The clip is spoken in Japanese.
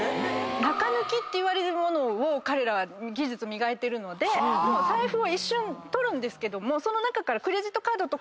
中抜きっていわれるものを彼らは技術磨いてるので財布を一瞬取るんですけどもその中からクレジットカードとかだけ。